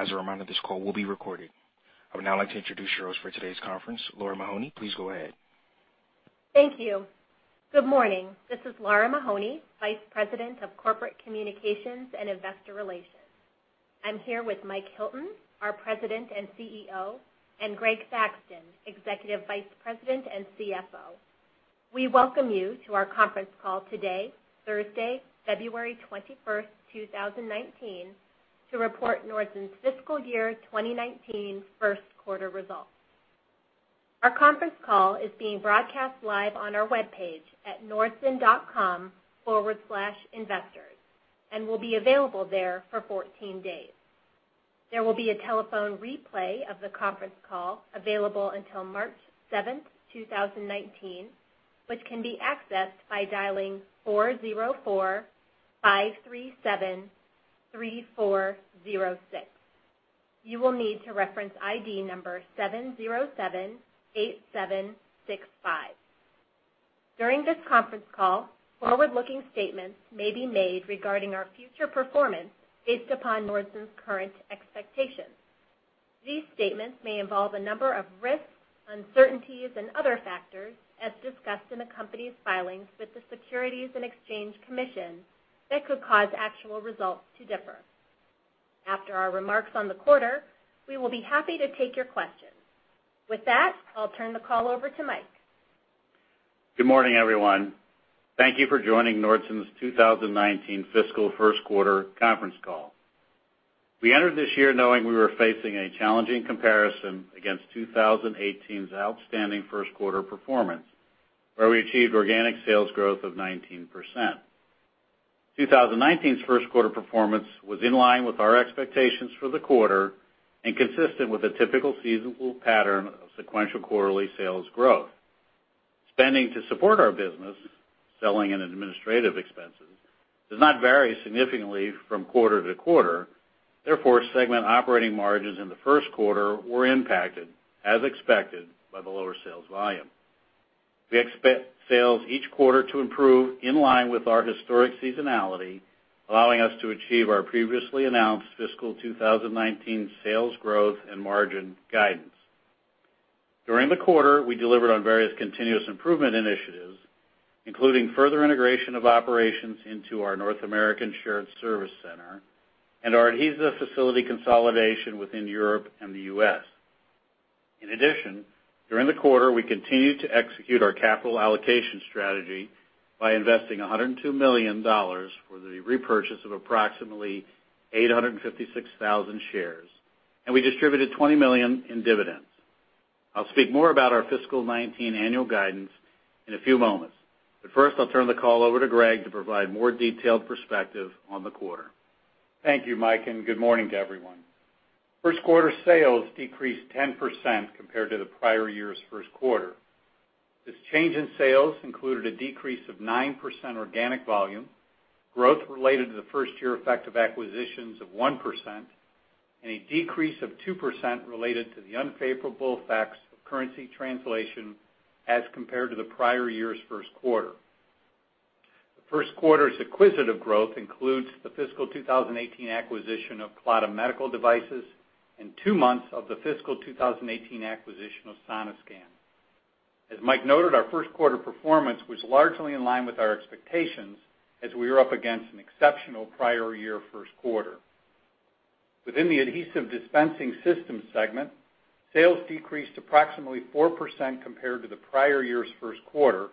As a reminder, this call will be recorded. I would now like to introduce your host for today's conference, Lara Mahoney. Please go ahead. Thank you. Good morning. This is Lara Mahoney, Vice President of Corporate Communications and Investor Relations. I'm here with Mike Hilton, our President and CEO, and Greg Thaxton, Executive Vice President and CFO. We welcome you to our conference call today, Thursday, February 21st, 2019, to report Nordson's fiscal year 2019 first quarter results. Our conference call is being broadcast live on our webpage at nordson.com/investors, and will be available there for 14 days. There will be a telephone replay of the conference call available until March 7th, 2019, which can be accessed by dialing 404-537-3406. You will need to reference ID number 707-8765. During this conference call, forward-looking statements may be made regarding our future performance based upon Nordson's current expectations. These statements may involve a number of risks, uncertainties, and other factors, as discussed in the company's filings with the Securities and Exchange Commission, that could cause actual results to differ. After our remarks on the quarter, we will be happy to take your questions. With that, I'll turn the call over to Mike. Good morning, everyone. Thank you for joining Nordson's 2019 fiscal first quarter conference call. We entered this year knowing we were facing a challenging comparison against 2018's outstanding first quarter performance, where we achieved organic sales growth of 19%. 2019's first quarter performance was in line with our expectations for the quarter and consistent with a typical seasonal pattern of sequential quarterly sales growth. Spending to support our business, selling and administrative expenses, does not vary significantly from quarter to quarter. Therefore, segment operating margins in the first quarter were impacted as expected by the lower sales volume. We expect sales each quarter to improve in line with our historic seasonality, allowing us to achieve our previously announced fiscal 2019 sales growth and margin guidance. During the quarter, we delivered on various continuous improvement initiatives, including further integration of operations into our North American Shared Service Center and our adhesive facility consolidation within Europe and the U.S. In addition, during the quarter, we continued to execute our capital allocation strategy by investing $102 million for the repurchase of approximately 856,000 shares and we distributed $20 million in dividends. I'll speak more about our fiscal 2019 annual guidance in a few moments. First, I'll turn the call over to Greg to provide more detailed perspective on the quarter. Thank you, Mike, and good morning to everyone. First quarter sales decreased 10% compared to the prior year's first quarter. This change in sales included a decrease of 9% organic volume, growth related to the first year effect of acquisitions of 1%, and a decrease of 2% related to the unfavorable effects of currency translation as compared to the prior year's first quarter. The first quarter's acquisitive growth includes the fiscal 2018 acquisition of Clada Medical Devices and 2 months of the fiscal 2018 acquisition of Sonoscan. As Mike noted, our first quarter performance was largely in line with our expectations as we were up against an exceptional prior year first quarter. Within the Adhesive Dispensing Systems segment, sales decreased approximately 4% compared to the prior year's first quarter,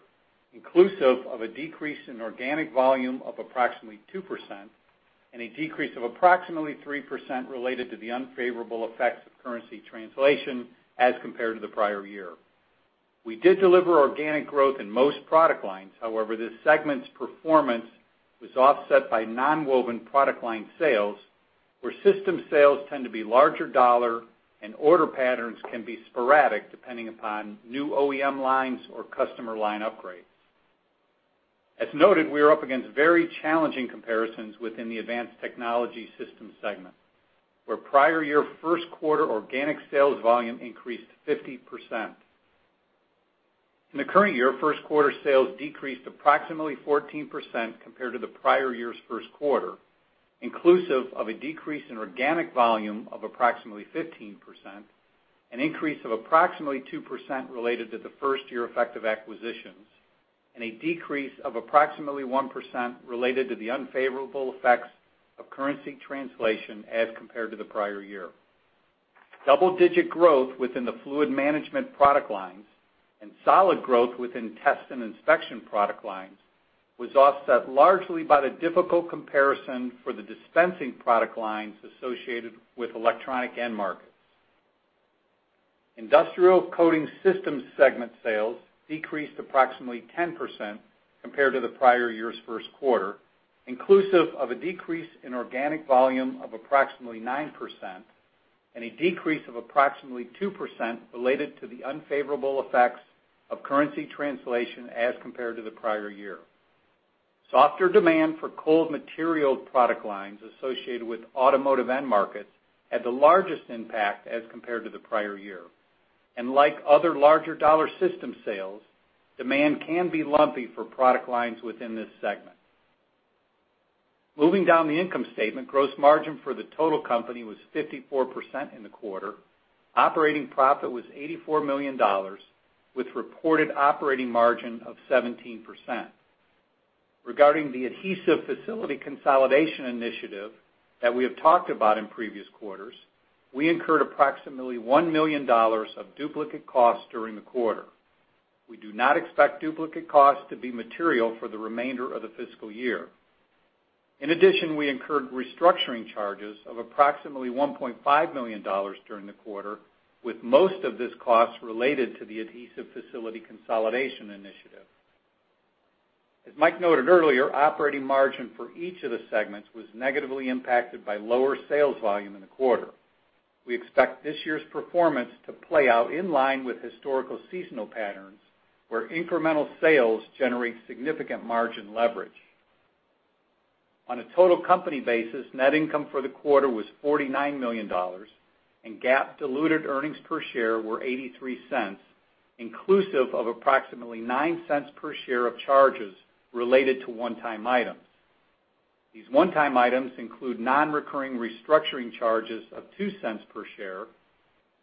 inclusive of a decrease in organic volume of approximately 2% and a decrease of approximately 3% related to the unfavorable effects of currency translation as compared to the prior year. We did deliver organic growth in most product lines. However, this segment's performance was offset by nonwoven product line sales where system sales tend to be larger dollar and order patterns can be sporadic depending upon new OEM lines or customer line upgrades. As noted, we are up against very challenging comparisons within the Advanced Technology Systems segment, where prior year first quarter organic sales volume increased 50%. In the current year, first quarter sales decreased approximately 14% compared to the prior year's first quarter inclusive of a decrease in organic volume of approximately 15%, an increase of approximately 2% related to the first year effect of acquisitions, and a decrease of approximately 1% related to the unfavorable effects of currency translation as compared to the prior year. Double-digit growth within the fluid management product lines and solid growth within test and inspection product lines was offset largely by the difficult comparison for the dispensing product lines associated with electronics end markets. Industrial Coating Systems segment sales decreased approximately 10% compared to the prior year's first quarter, inclusive of a decrease in organic volume of approximately 9% and a decrease of approximately 2% related to the unfavorable effects of currency translation as compared to the prior year. Softer demand for cold material product lines associated with automotive end markets had the largest impact as compared to the prior year. Like other larger dollar system sales, demand can be lumpy for product lines within this segment. Moving down the income statement. Gross margin for the total company was 54% in the quarter. Operating profit was $84 million with reported operating margin of 17%. Regarding the adhesive facility consolidation initiative that we have talked about in previous quarters, we incurred approximately $1 million of duplicate costs during the quarter. We do not expect duplicate costs to be material for the remainder of the fiscal year. In addition, we incurred restructuring charges of approximately $1.5 million during the quarter with most of this cost related to the adhesive facility consolidation initiative. As Mike noted earlier, operating margin for each of the segments was negatively impacted by lower sales volume in the quarter. We expect this year's performance to play out in line with historical seasonal patterns, where incremental sales generate significant margin leverage. On a total company basis, net income for the quarter was $49 million, and GAAP diluted earnings per share were $0.83 inclusive of approximately $0.09 per share of charges related to one-time items. These one-time items include non-recurring restructuring charges of $0.02 per share.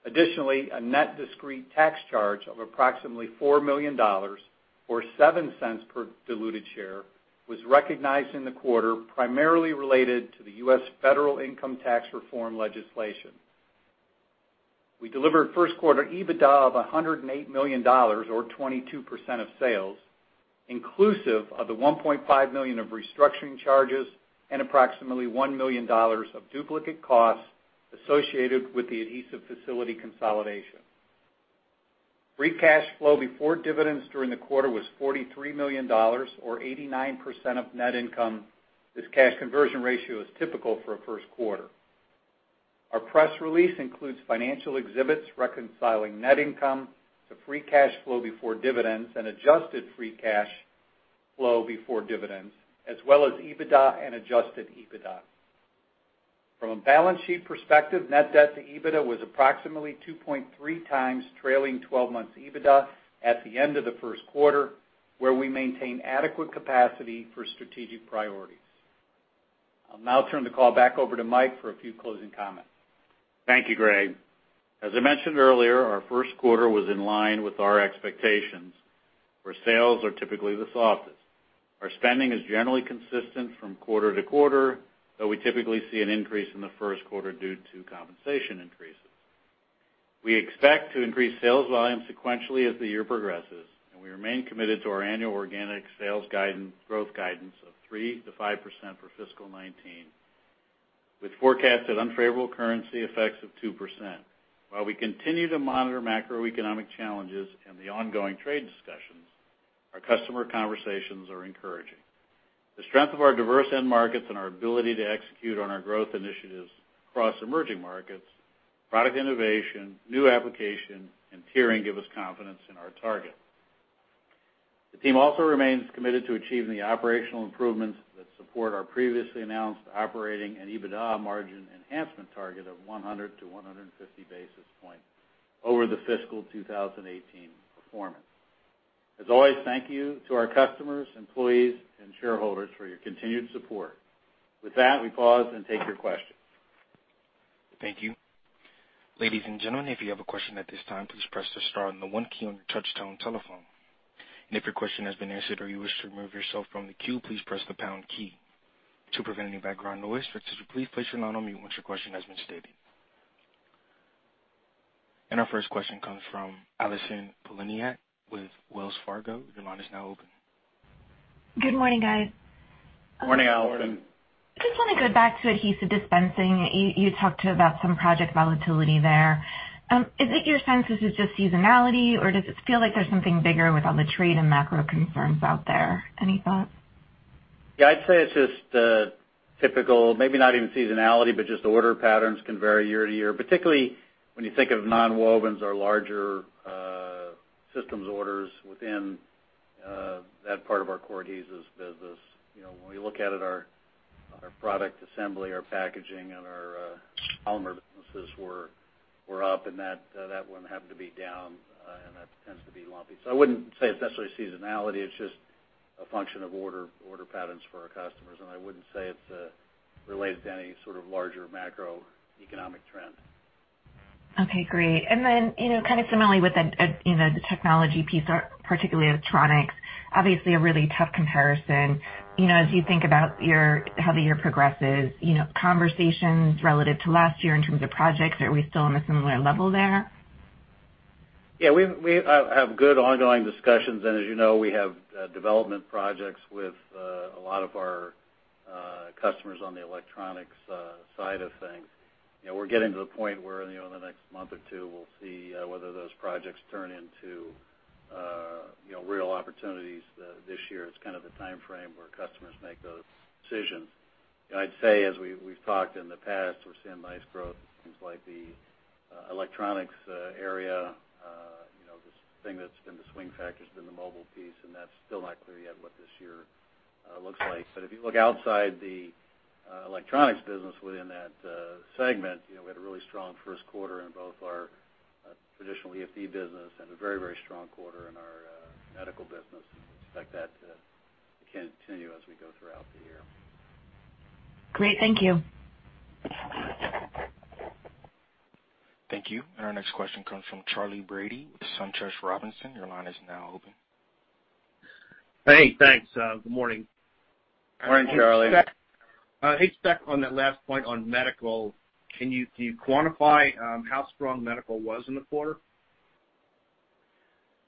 Additionally, a net discrete tax charge of approximately $4 million, or $0.07 per diluted share, was recognized in the quarter, primarily related to the U.S. federal income tax reform legislation. We delivered first quarter EBITDA of $108 million or 22% of sales, inclusive of the $1.5 million of restructuring charges and approximately $1 million of duplicate costs associated with the adhesive facility consolidation. Free cash flow before dividends during the quarter was $43 million, or 89% of net income. This cash conversion ratio is typical for a first quarter. Our press release includes financial exhibits reconciling net income to free cash flow before dividends and adjusted free cash flow before dividends, as well as EBITDA and adjusted EBITDA. From a balance sheet perspective, net debt to EBITDA was approximately 2.3x trailing 12 months EBITDA at the end of the first quarter, where we maintain adequate capacity for strategic priorities. I'll now turn the call back over to Mike for a few closing comments. Thank you, Greg. As I mentioned earlier, our first quarter was in line with our expectations, where sales are typically the softest. Our spending is generally consistent from quarter-to-quarter, though we typically see an increase in the first quarter due to compensation increases. We expect to increase sales volume sequentially as the year progresses, and we remain committed to our annual organic sales guidance, growth guidance of 3%-5% for fiscal 2019, with forecasted unfavorable currency effects of 2%. While we continue to monitor macroeconomic challenges and the ongoing trade discussions, our customer conversations are encouraging. The strength of our diverse end markets and our ability to execute on our growth initiatives across emerging markets, product innovation, new application, and tiering give us confidence in our target. The team also remains committed to achieving the operational improvements that support our previously announced operating and EBITDA margin enhancement target of 100-150 basis points over the fiscal 2018 performance. As always, thank you to our customers, employees and shareholders for your continued support. With that, we pause and take your questions. Thank you. Ladies and gentlemen, if you have a question at this time, please press the star and the one key on your touch tone telephone. If your question has been answered or you wish to remove yourself from the queue, please press the pound key. To prevent any background noise, would you please place your line on mute once your question has been stated. Our first question comes from Allison Poliniak with Wells Fargo. Your line is now open. Good morning, guys. Morning, Allison. Morning. Just wanna go back to Adhesive Dispensing. You talked about some project volatility there. Is it your sense this is just seasonality, or does it feel like there's something bigger with all the trade and macro concerns out there? Any thoughts? Yeah, I'd say it's just typical, maybe not even seasonality, but just order patterns can vary year to year, particularly when you think of nonwovens or larger systems orders within that part of our core adhesives business. You know, when we look at it, our product assembly, our packaging, and our polymer businesses were up, and that one happened to be down, and that tends to be lumpy. So I wouldn't say it's necessarily seasonality, it's just a function of order patterns for our customers. I wouldn't say it's related to any sort of larger macroeconomic trend. Okay, great. You know, kind of similarly with the, you know, the technology piece, particularly with electronics, obviously a really tough comparison. You know, as you think about how the year progresses, you know, conversations relative to last year in terms of projects, are we still on a similar level there? We have good ongoing discussions. As you know, we have development projects with a lot of our customers on the electronics side of things. You know, we're getting to the point where, you know, in the next month or two, we'll see whether those projects turn into, you know, real opportunities this year. It's kind of the timeframe where customers make those decisions. You know, I'd say, as we've talked in the past, we're seeing nice growth in things like the electronics area. You know, the thing that's been the swing factor has been the mobile piece, and that's still not clear yet what this year looks like. If you look outside the electronics business within that segment. You know, we had a really strong first quarter in both our traditional EFD business and a very, very strong quarter in our medical business. We expect that to continue as we go throughout the year. Great. Thank you. Thank you. Our next question comes from Charley Brady with SunTrust Robinson. Your line is now open. Hey, thanks. Good morning. Morning, Charley. Hey, Mike, on that last point on medical, do you quantify how strong medical was in the quarter?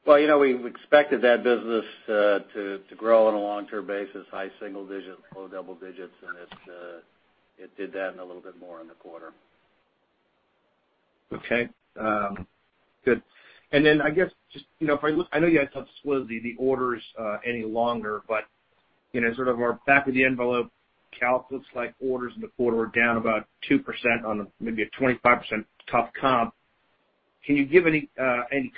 Well, you know, we expected that business to grow on a long-term basis, high single digits, low double digits, and it did that and a little bit more in the quarter. Okay. Good. Then I guess just, you know, if I look, I know you guys have split the orders any longer, but, you know, sort of our back of the envelope calc looks like orders in the quarter were down about 2% on a maybe a 25% tough comp. Can you give any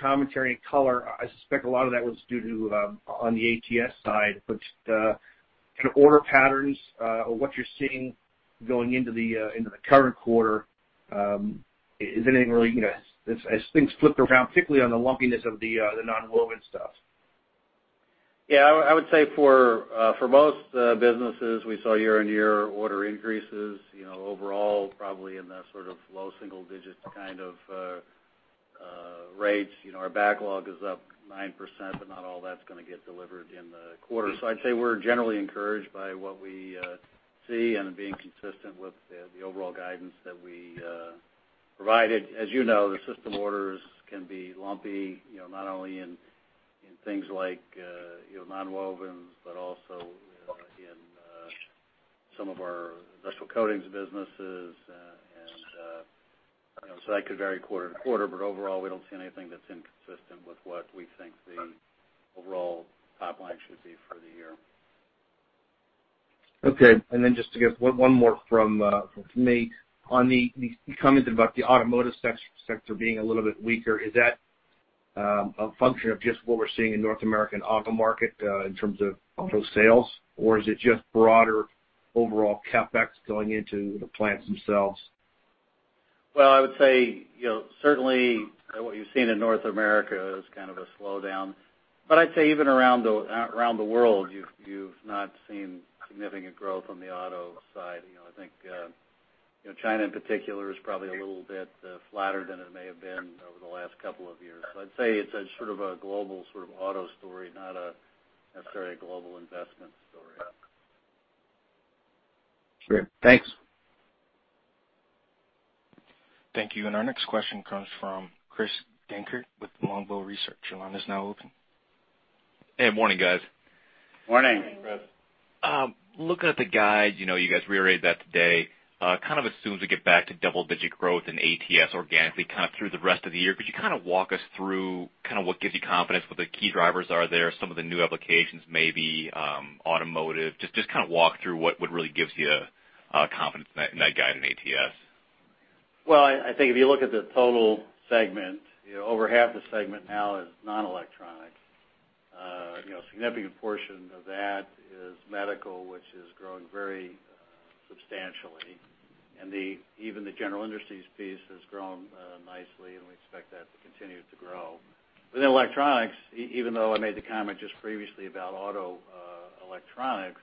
commentary and color? I suspect a lot of that was due to on the ATS side. In order patterns or what you're seeing going into the current quarter, is anything really, you know, as things flip around, particularly on the lumpiness of the nonwoven stuff? Yeah, I would say for most businesses, we saw year-on-year order increases, you know, overall, probably in the sort of low single digits kind of rates. You know, our backlog is up 9%, but not all that's gonna get delivered in the quarter. I'd say we're generally encouraged by what we see and being consistent with the overall guidance that we provided. As you know, the system orders can be lumpy, you know, not only in things like, you know, nonwovens, but also in some of our industrial coatings businesses, and, you know, so that could vary quarter to quarter, but overall, we don't see anything that's inconsistent with what we think the overall top line should be for the year. Okay. Just to get one more from me. On the comments about the automotive sector being a little bit weaker, is that a function of just what we're seeing in North American auto market in terms of auto sales? Or is it just broader overall CapEx going into the plants themselves? Well, I would say, you know, certainly what you've seen in North America is kind of a slowdown. I'd say even around the world, you've not seen significant growth on the auto side. You know, I think, you know, China in particular is probably a little bit flatter than it may have been over the last couple of years. I'd say it's a sort of a global sort of auto story, not necessarily a global investment story. Sure. Thanks. Thank you. Our next question comes from Chris Dankert with Longbow Research. Your line is now open. Hey. Morning, guys. Morning. Morning, Chris. Looking at the guide, you know, you guys reiterated that today, kind of assumes we get back to double-digit growth in ATS organically kind of through the rest of the year. Could you kind of walk us through kind of what gives you confidence, what the key drivers are there, some of the new applications maybe, automotive? Just kind of walk through what really gives you confidence in that guide in ATS. Well, I think if you look at the total segment, you know, over half the segment now is non-electronic. You know, a significant portion of that is medical, which is growing very substantially. Even the general industries piece has grown nicely, and we expect that to continue to grow. Within electronics even though I made the comment just previously about auto electronics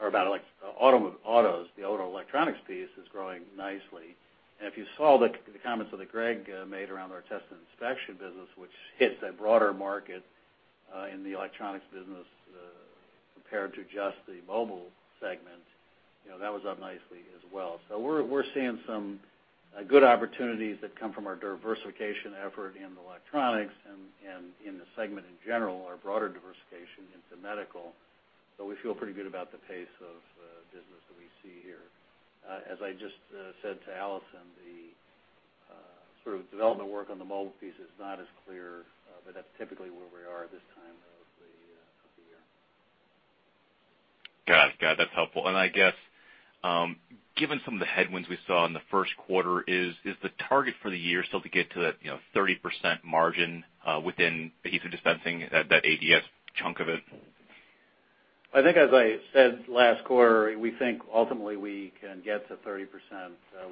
or about autos the auto electronics piece is growing nicely. If you saw the comments that Greg made around our test and inspection business, which hits a broader market in the electronics business compared to just the mobile segment, you know, that was up nicely as well. We're seeing some good opportunities that come from our diversification effort in the electronics and in the segment in general, our broader diversification into medical. We feel pretty good about the pace of business that we see here. As I just said to Allison, the sort of development work on the mobile piece is not as clear, but that's typically where we are this time of the year. Got it. That's helpful. I guess, given some of the headwinds we saw in the first quarter, is the target for the year still to get to that, you know, 30% margin, within the Adhesive Dispensing that ADS chunk of it? I think as I said last quarter, we think ultimately we can get to 30%.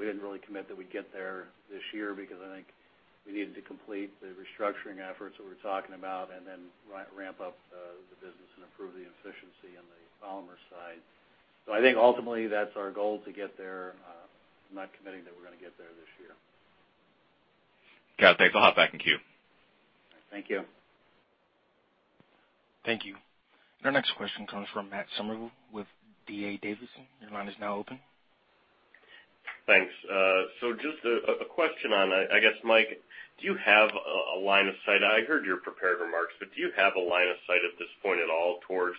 We didn't really commit that we'd get there this year because I think we needed to complete the restructuring efforts that we're talking about and then ramp up the business and improve the efficiency on the polymer side. I think ultimately that's our goal to get there. I'm not committing that we're gonna get there this year. Got it. Thanks. I'll hop back in queue. Thank you. Thank you. Our next question comes from Matt Summerville with D.A. Davidson. Your line is now open. Thanks. Just a question on, I guess, Mike. Do you have a line of sight? I heard your prepared remarks, but do you have a line of sight at this point at all towards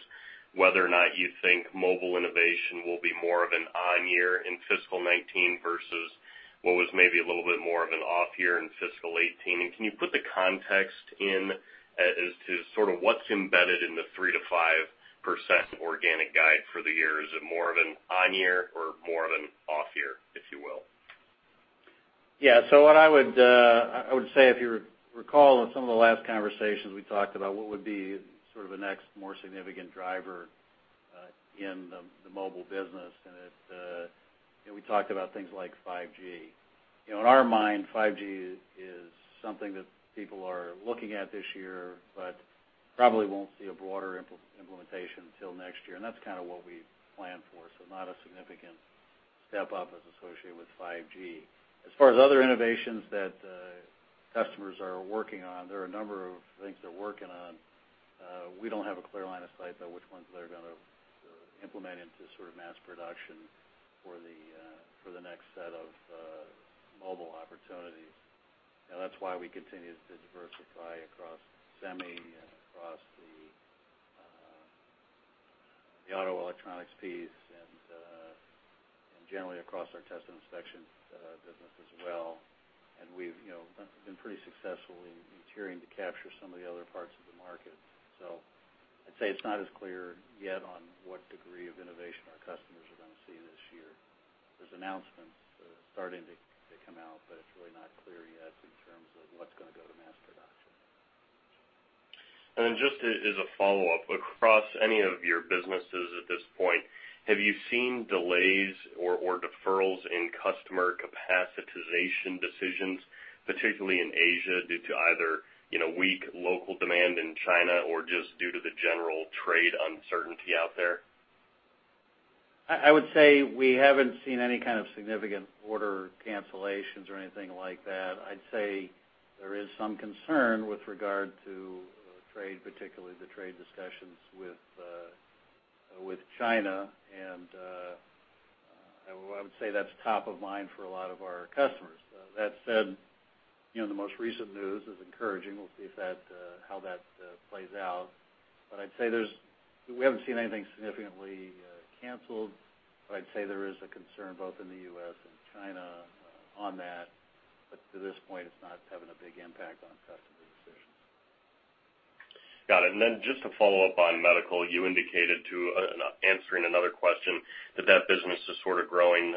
whether or not you think mobile innovation will be more of an on year in fiscal 2019 versus what was maybe a little bit more of an off year in fiscal 2018? Can you put the context in as to sort of what's embedded in the 3%-5% organic guide for the year? Is it more of an on year or more of an off year, if you will? Yeah. What I would say, if you recall on some of the last conversations we talked about what would be sort of the next more significant driver in the mobile business, you know, we talked about things like 5G. You know, in our mind, 5G is something that people are looking at this year, but probably won't see a broader implementation till next year, and that's kind of what we plan for. Not a significant step up that's associated with 5G. As far as other innovations that customers are working on, there are a number of things they're working on. We don't have a clear line of sight to which ones they're gonna implement into sort of mass production for the next set of mobile opportunities. That's why we continue to diversify across semi and across the auto electronics piece and generally across our test and inspection business as well. We've you know been pretty successful in tiering to capture some of the other parts of the market. I'd say it's not as clear yet on what degree of innovation our customers are gonna see this year. There's announcements starting to come out, but it's really not clear yet in terms of what's gonna go to mass production. Then just a, as a follow-up, across any of your businesses at this point, have you seen delays or deferrals in customer capitalization decisions, particularly in Asia, due to either, you know, weak local demand in China or just due to the general trade uncertainty out there? I would say we haven't seen any kind of significant order cancellations or anything like that. I'd say there is some concern with regard to trade, particularly the trade discussions with China. I would say that's top of mind for a lot of our customers. That said, you know, the most recent news is encouraging. We'll see how that plays out. I'd say we haven't seen anything significantly canceled, but I'd say there is a concern both in the U.S. and China on that. To this point, it's not having a big impact on customer decisions. Got it. Just to follow up on medical, you indicated to answering another question, that that business is sort of growing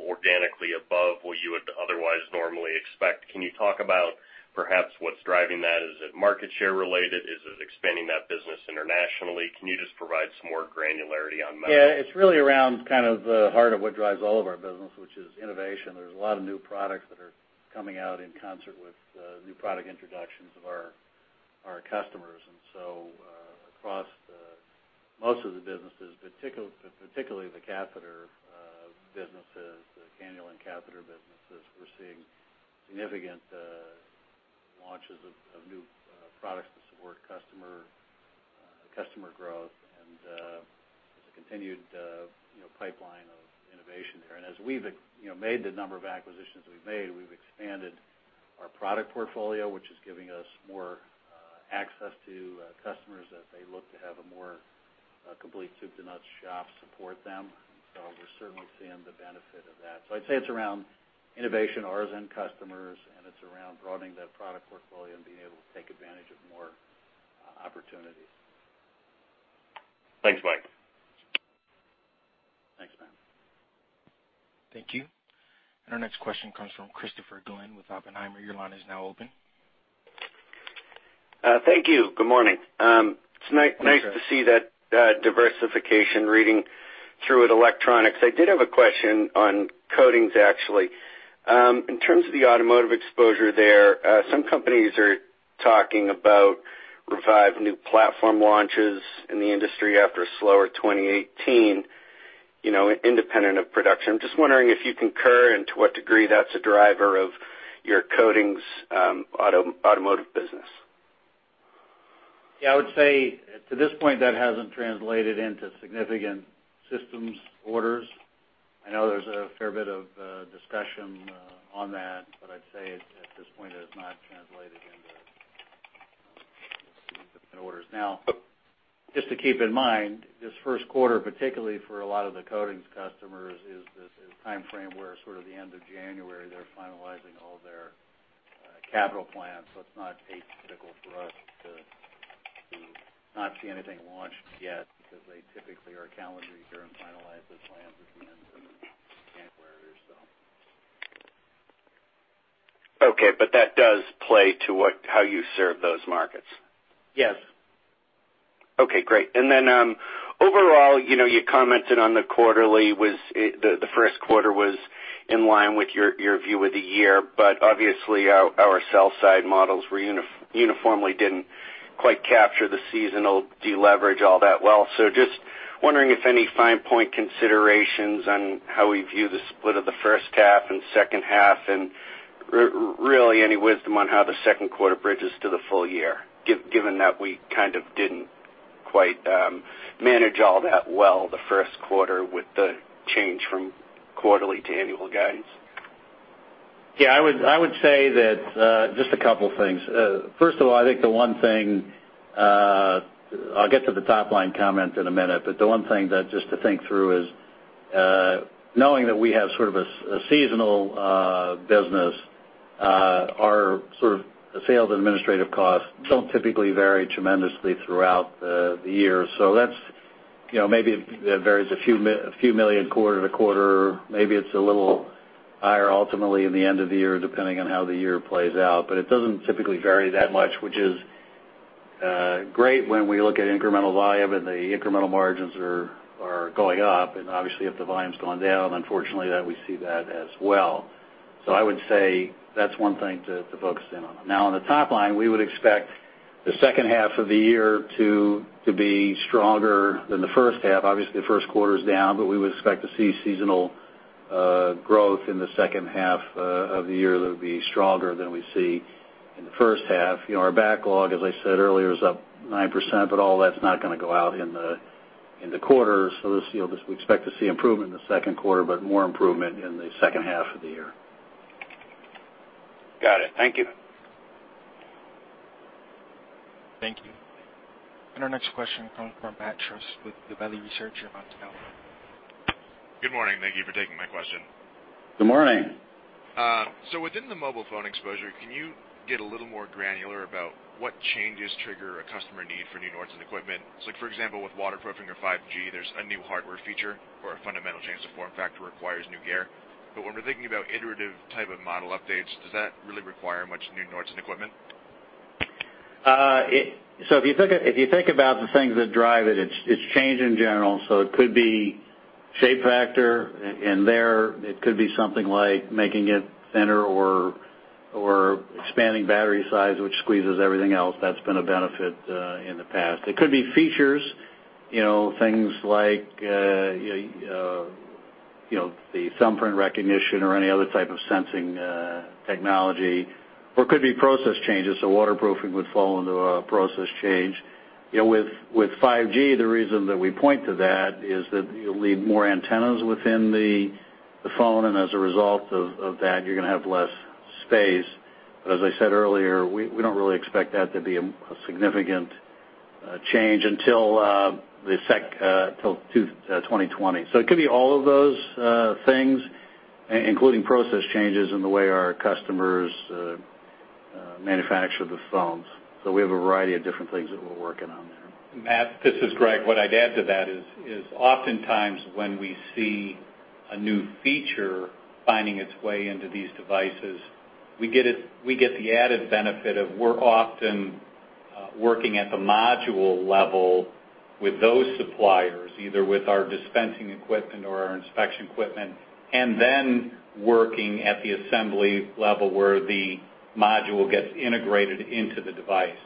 organically above what you would otherwise normally expect. Can you talk about perhaps what's driving that? Is it market share related? Is it expanding that business internationally? Can you just provide some more granularity on medical? Yeah. It's really around kind of the heart of what drives all of our business, which is innovation. There's a lot of new products that are coming out in concert with new product introductions of our customers. Across most of the businesses, particularly the catheter businesses, the cannula and catheter businesses, we're seeing significant launches of new products to support customer growth, and there's a continued, you know, pipeline of innovation there. As we've, you know, made the number of acquisitions we've made, we've expanded our product portfolio, which is giving us more access to customers as they look to have a more complete soup to nuts shop support them. We're certainly seeing the benefit of that. I'd say it's around innovation, ours and customers, and it's around broadening that product portfolio and being able to take advantage of more opportunities. Thanks, Mike. Thanks, Matt. Thank you. Our next question comes from Christopher Glynn with Oppenheimer. Your line is now open. Thank you. Good morning. Good morning. Nice to see that, diversification reading through with electronics. I did have a question on coatings actually. In terms of the automotive exposure there, some companies are talking about revived new platform launches in the industry after a slower 2018, you know, independent of production. Just wondering if you concur and to what degree that's a driver of your coatings, automotive business. Yeah. I would say to this point, that hasn't translated into significant systems orders. I know there's a fair bit of discussion on that, but I'd say at this point, it has not translated into significant orders. Now, just to keep in mind, this first quarter, particularly for a lot of the coatings customers is this timeframe where sort of the end of January, they're finalizing all their capital plans, so it's not atypical for us to not see anything launched yet because they typically are calendar year and finalize those plans between then and January. That does play to how you serve those markets. Yes. Okay, great. Overall, you know, you commented on the first quarter was in line with your view of the year. Obviously our sell-side models were uniformly didn't quite capture the seasonal deleverage all that well. Just wondering if any fine point considerations on how we view the split of the first half and second half and really any wisdom on how the second quarter bridges to the full year, given that we kind of didn't quite manage all that well the first quarter with the change from quarterly to annual guidance. Yeah. I would say that, just a couple things. First of all, I think the one thing, I'll get to the top-line comment in a minute, but the one thing that just to think through is, knowing that we have sort of a seasonal business, our sort of sales administrative costs don't typically vary tremendously throughout the year. So that's, you know, maybe it varies a few million quarter to quarter. Maybe it's a little higher ultimately in the end of the year depending on how the year plays out. But it doesn't typically vary that much which is great when we look at incremental volume and the incremental margins are going up. Obviously if the volume's gone down, unfortunately, then we see that as well. I would say that's one thing to focus in on. Now on the top line, we would expect the second half of the year to be stronger than the first half. Obviously, the first quarter is down, but we would expect to see seasonal growth in the second half of the year that would be stronger than we see in the first half. You know, our backlog, as I said earlier, is up 9%, but all that's not gonna go out in the quarter. This, you know, we expect to see improvement in the second quarter but more improvement in the second half of the year. Got it. Thank you. Thank you. Our next question comes from Matt Trusz with Gabelli Research. Your line is open. Good morning. Thank you for taking my question. Good morning. Within the mobile phone exposure, can you get a little more granular about what changes trigger a customer need for new Nordson equipment? For example, with waterproofing or 5G, there's a new hardware feature or a fundamental change to form factor requires new gear. When we're thinking about iterative type of model updates, does that really require much new Nordson equipment? If you think about the things that drive it's change in general. It could be shape factor. There, it could be something like making it thinner or expanding battery size, which squeezes everything else. That's been a benefit in the past. It could be features, you know, things like you know, the thumbprint recognition or any other type of sensing technology. Or it could be process changes. Waterproofing would fall into a process change. You know, with 5G, the reason that we point to that is that you'll need more antennas within the phone and as a result of that, you're gonna have less space. as I said earlier, we don't really expect that to be a significant change until 2020. It could be all of those things, including process changes in the way our customers manufacture the phones. We have a variety of different things that we're working on there. Matt, this is Greg. What I'd add to that is oftentimes when we see a new feature finding its way into these devices, we get the added benefit of we're often working at the module level with those suppliers, either with our dispensing equipment or our inspection equipment, and then working at the assembly level where the module gets integrated into the device.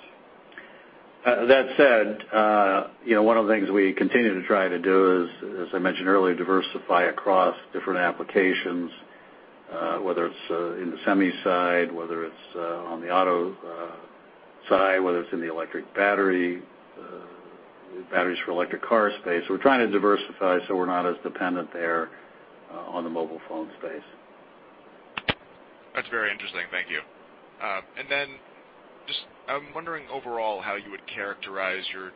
That said, you know, one of the things we continue to try to do is, as I mentioned earlier, diversify across different applications, whether it's in the semi side, whether it's on the auto side, whether it's in the electric battery, batteries for electric car space. We're trying to diversify so we're not as dependent there on the mobile phone space. That's very interesting. Thank you. I'm wondering overall how you would characterize your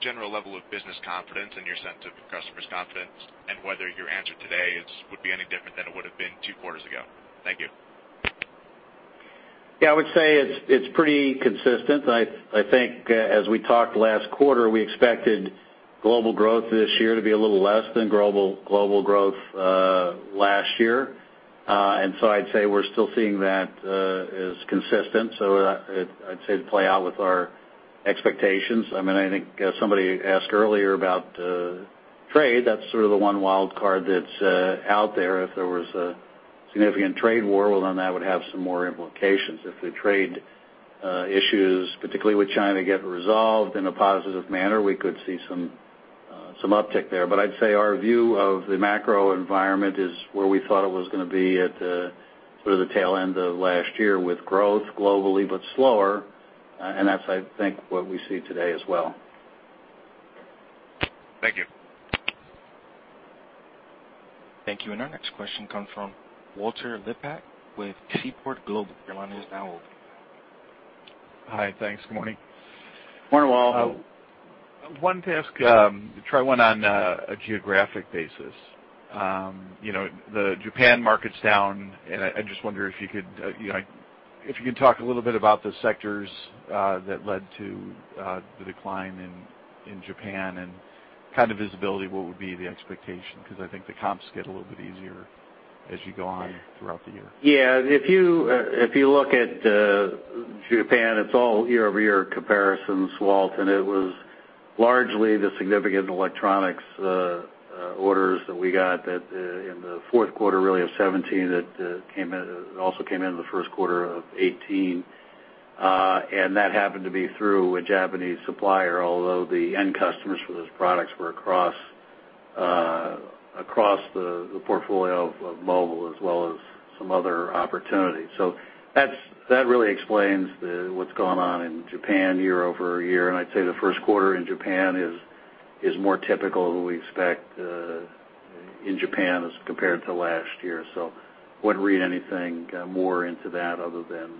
general level of business confidence and your sense of customer's confidence, and whether your answer today would be any different than it would have been two quarters ago. Thank you. Yeah, I would say it's pretty consistent. I think, as we talked last quarter, we expected global growth this year to be a little less than global growth last year. I'd say we're still seeing that as consistent. I'd say to play out with our expectations. I mean, I think somebody asked earlier about trade. That's sort of the one wild card that's out there. If there was a significant trade war, well, then that would have some more implications. If the trade issues, particularly with China, get resolved in a positive manner, we could see some uptick there. I'd say our view of the macro environment is where we thought it was gonna be at, sort of the tail end of last year with growth globally but slower. That's, I think, what we see today as well. Thank you. Thank you. Our next question comes from Walter Liptak with Seaport Global. Your line is now open. Hi. Thanks. Good morning. Morning, Walt. I wanted to ask, try one on a geographic basis. You know, the Japan market's down, and I just wonder if you could, you know, if you could talk a little bit about the sectors that led to the decline in Japan and kind of visibility, what would be the expectation? Because I think the comps get a little bit easier as you go on throughout the year. Yeah. If you look at Japan, it's all year-over-year comparisons, Walt, and it was largely the significant electronics orders that we got in the fourth quarter of 2017 that came in. It also came into the first quarter of 2018. That happened to be through a Japanese supplier, although the end customers for those products were across the portfolio of mobile as well as some other opportunities. That really explains what's going on in Japan year-over-year. I'd say the first quarter in Japan is more typical than we expect in Japan as compared to last year. Wouldn't read anything more into that other than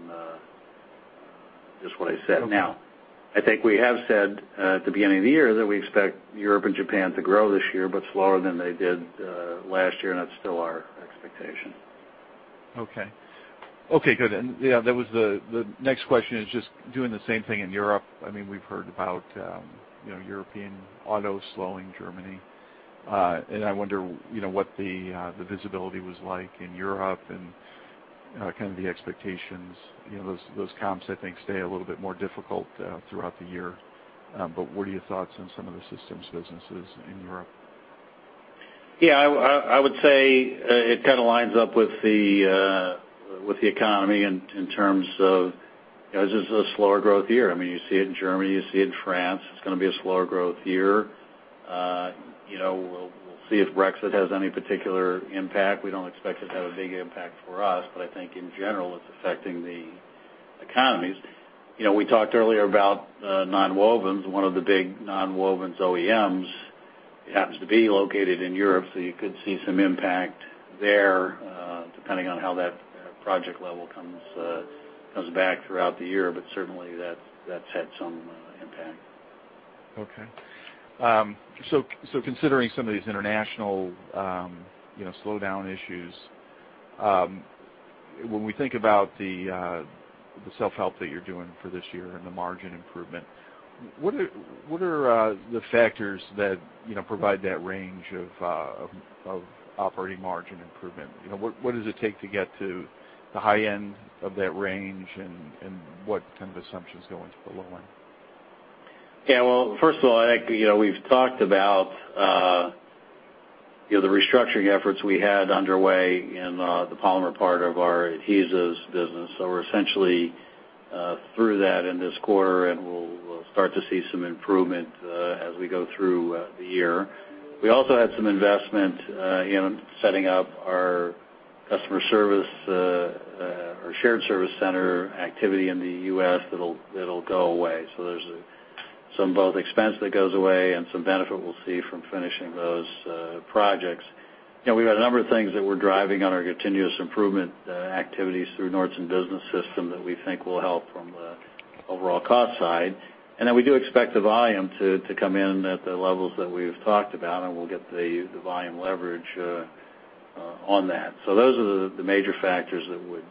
just what I said. Now, I think we have said at the beginning of the year that we expect Europe and Japan to grow this year, but slower than they did last year, and that's still our expectation. Okay. Okay, good. Yeah, that was the next question, just doing the same thing in Europe. I mean, we've heard about, you know, European auto slowing, Germany. I wonder, you know, what the visibility was like in Europe and kind of the expectations. You know, those comps, I think, stay a little bit more difficult throughout the year. What are your thoughts on some of the systems businesses in Europe? Yeah, I would say it kind of lines up with the economy in terms of, you know, just a slower growth year. I mean, you see it in Germany, you see it in France. It's gonna be a slower growth year. You know, we'll see if Brexit has any particular impact. We don't expect it to have a big impact for us. But I think in general, it's affecting the economies. You know, we talked earlier about nonwovens. One of the big nonwovens OEMs happens to be located in Europe, so you could see some impact there depending on how that project level comes back throughout the year. But certainly, that's had some impact. Okay. Considering some of these international, you know, slowdown issues, when we think about the self-help that you're doing for this year and the margin improvement, what are the factors that, you know, provide that range of operating margin improvement? You know, what does it take to get to the high end of that range, and what kind of assumptions go into the low end? Yeah, well, first of all, I think, you know, we've talked about, you know, the restructuring efforts we had underway in, the polymer part of our adhesives business. We're essentially through that in this quarter, and we'll start to see some improvement as we go through the year. We also had some investment in setting up our customer service or shared service center activity in the U.S. that'll go away. There's some both expense that goes away and some benefit we'll see from finishing those projects. You know, we've got a number of things that we're driving on our continuous improvement activities through Nordson Business System that we think will help from the overall cost side. We do expect the volume to come in at the levels that we've talked about, and we'll get the volume leverage on that. Those are the major factors that would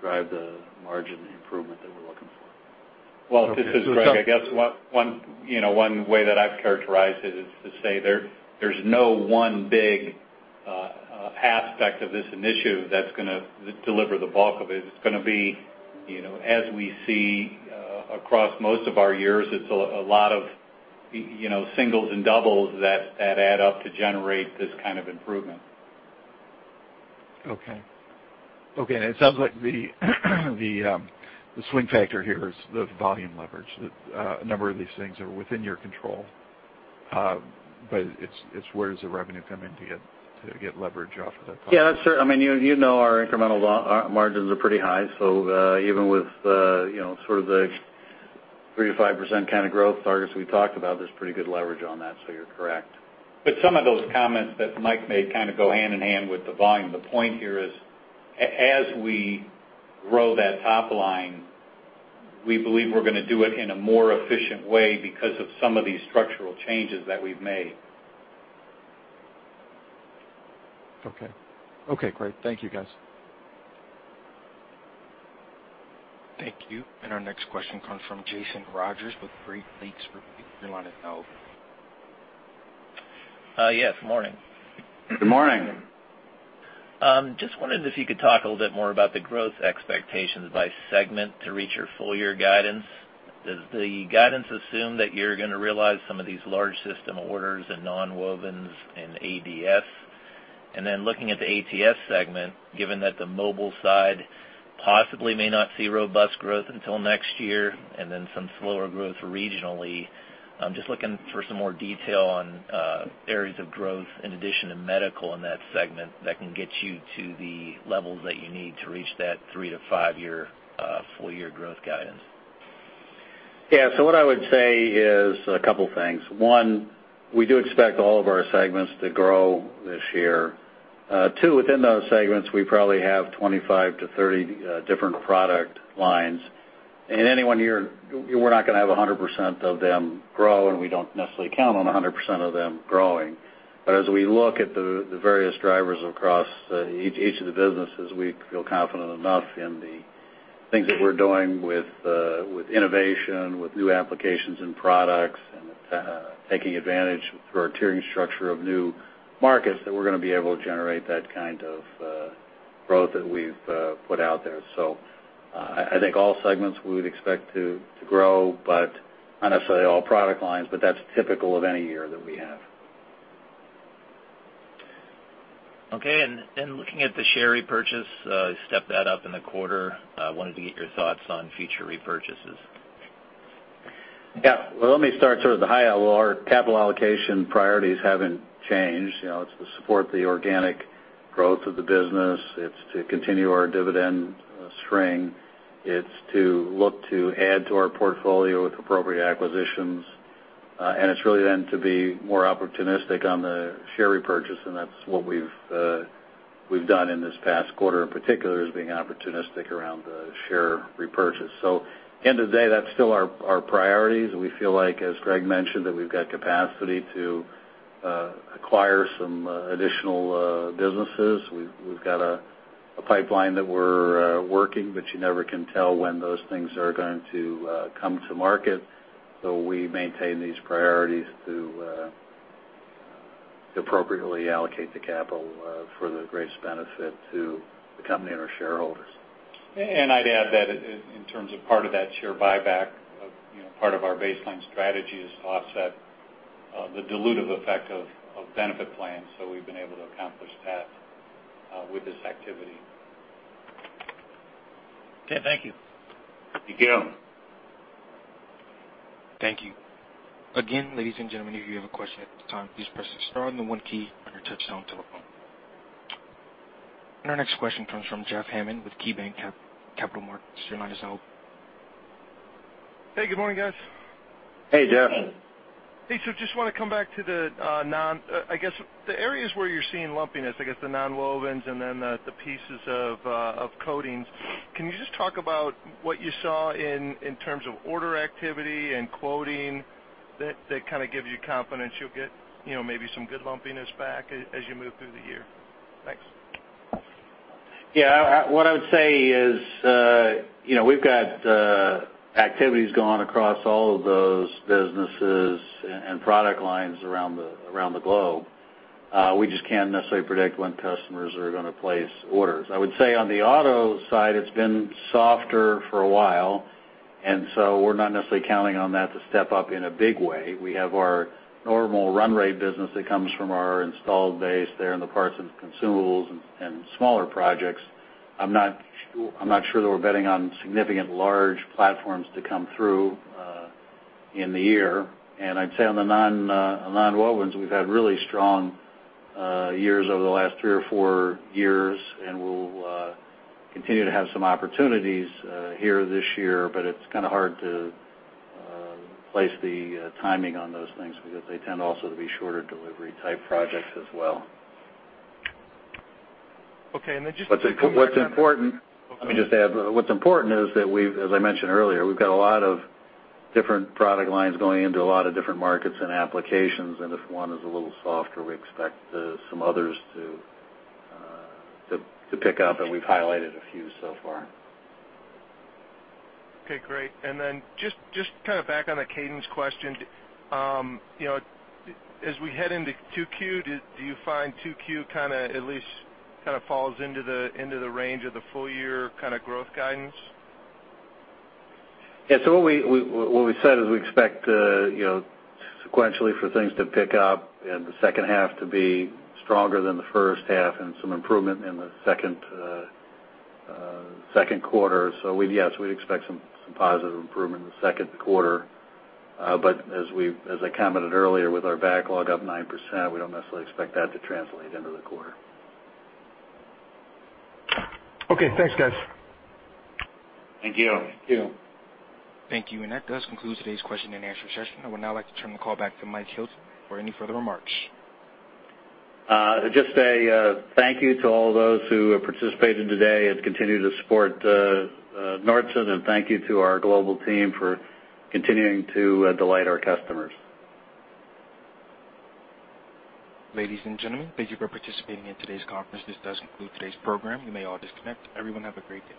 drive the margin improvement that we're looking for. Okay. Well, this is Greg. I guess one way that I've characterized it is to say there's no one big aspect of this initiative that's gonna deliver the bulk of it. It's gonna be, you know, as we see across most of our areas, it's a lot of, you know, singles and doubles that add up to generate this kind of improvement. Okay, it sounds like the swing factor here is the volume leverage. A number of these things are within your control. Where's the revenue coming to get leverage off of the top? I mean, you know our incremental margins are pretty high. Even with you know, sort of the 3%-5% kind of growth targets we talked about, there's pretty good leverage on that, so you're correct. Some of those comments that Mike made kind of go hand in hand with the volume. The point here is as we grow that top line, we believe we're gonna do it in a more efficient way because of some of these structural changes that we've made. Okay. Okay, great. Thank you, guys. Thank you. Our next question comes from Jason Rodgers with Great Lakes Review. Your line is now open. Yes, morning. Good morning. Morning. Just wondering if you could talk a little bit more about the growth expectations by segment to reach your full year guidance? Does the guidance assume that you're gonna realize some of these large system orders in Nonwovens and ADS? Looking at the ATS segment, given that the mobile side possibly may not see robust growth until next year and then some slower growth regionally, I'm just looking for some more detail on areas of growth in addition to medical in that segment that can get you to the levels that you need to reach that 3-5-year full year growth guidance. What I would say is a couple things. One, we do expect all of our segments to grow this year. Two, within those segments, we probably have 25-30 different product lines. In any one year, we're not gonna have 100% of them grow, and we don't necessarily count on 100% of them growing. But as we look at the various drivers across each of the businesses, we feel confident enough in the things that we're doing with innovation, with new applications and products, and taking advantage through our tiering structure of new markets that we're gonna be able to generate that kind of growth that we've put out there. I think all segments we would expect to grow, but not necessarily all product lines, but that's typical of any year that we have. Okay. Looking at the share repurchase, you stepped that up in the quarter. Wanted to get your thoughts on future repurchases. Yeah. Well, let me start sort of the high level. Our capital allocation priorities haven't changed. You know, it's to support the organic growth of the business. It's to continue our dividend string. It's to look to add to our portfolio with appropriate acquisitions, and it's really then to be more opportunistic on the share repurchase, and that's what we've done in this past quarter in particular, is being opportunistic around the share repurchase. At the end of the day, that's still our priorities. We feel like, as Greg mentioned, that we've got capacity to acquire some additional businesses. We've got a pipeline that we're working, but you never can tell when those things are going to come to market. We maintain these priorities to appropriately allocate the capital for the greatest benefit to the company and our shareholders. I'd add that in terms of part of that share buyback of, you know, part of our baseline strategy is to offset the dilutive effect of benefit plans. We've been able to accomplish that with this activity. Okay, thank you. Thank you. Thank you. Again, ladies and gentlemen, if you have a question at this time, please press the star and the one key on your touchtone telephone. Our next question comes from Jeff Hammond with KeyBanc Capital Markets. Your line is open. Hey, Good morning, guys. Hey, Jeff. Hey, just wanna come back to the areas where you're seeing lumpiness, I guess the nonwovens and then the pieces of coatings. Can you just talk about what you saw in terms of order activity and quoting that kinda gives you confidence you'll get, you know, maybe some good lumpiness back as you move through the year? Thanks. Yeah. What I would say is, you know, we've got activities going across all of those businesses and product lines around the globe. We just can't necessarily predict when customers are gonna place orders. I would say on the auto side, it's been softer for a while, and so we're not necessarily counting on that to step up in a big way. We have our normal run rate business that comes from our installed base there in the parts and consumables and smaller projects. I'm not sure that we're betting on significant large platforms to come through in the year. I'd say on the nonwovens, we've had really strong years over the last 3 or 4 years, and we'll continue to have some opportunities here this year, but it's kinda hard to place the timing on those things because they tend also to be shorter delivery type projects as well. Okay. Just to come back on that. What's important. Okay. Let me just add. What's important is that we've, as I mentioned earlier, we've got a lot of different product lines going into a lot of different markets and applications. If one is a little softer, we expect some others to pick up and we've highlighted a few so far. Okay, great. Just kinda back on the cadence question. You know, as we head into 2Q, do you find 2Q kinda at least kinda falls into the range of the full-year kinda growth guidance? Yeah. What we said is we expect, you know, sequentially for things to pick up and the second half to be stronger than the first half and some improvement in the second quarter. Yes, we'd expect some positive improvement in the second quarter. But as I commented earlier, with our backlog up 9%, we don't necessarily expect that to translate into the quarter. Okay. Thanks, guys. Thank you. Thank you. That does conclude today's question-and-answer session. I would now like to turn the call back to Mike Hilton for any further remarks. Just a thank you to all those who have participated today and continue to support Nordson. Thank you to our global team for continuing to delight our customers. Ladies and gentlemen, thank you for participating in today's conference. This does conclude today's program. You may all disconnect. Everyone, have a great day.